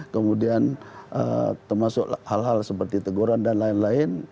kemudian termasuk hal hal seperti teguran dan lain lain